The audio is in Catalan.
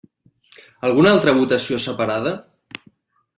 Alguna altra votació separada?